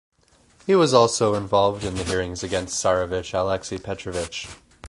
He was also involved in the hearings against Tsarevich Alexei Petrovich.